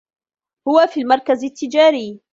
هو في المركز التّجاريّ.